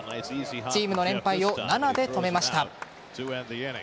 チームの連敗を７で止めました。